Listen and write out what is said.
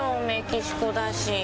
メキシコだし。